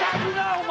お前。